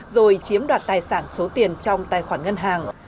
rồi chiếm đoạt tài sản số tiền trong tài khoản ngân hàng